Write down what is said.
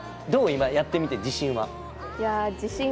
今やってみて自信は。